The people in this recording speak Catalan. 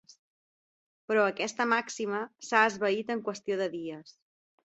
Però aquesta màxima s’ha esvaït en qüestió de dies.